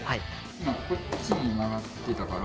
今こっちに曲がってたから。